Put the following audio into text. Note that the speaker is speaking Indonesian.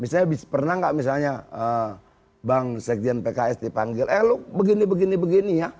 misalnya pernah nggak misalnya bank sekjian pks dipanggil eh lo begini begini begini ya